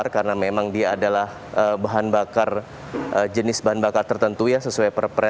keterlambatan solar di jatim merupakan persoalan berbeda